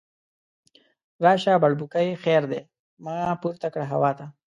راشه بړبوکۍ خیر دی، ما پورته کړه هوا ته